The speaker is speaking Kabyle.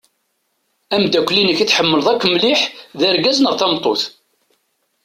Ameddakel-inek i tḥemmleḍ akk mliḥ d argaz neɣ d tameṭṭut?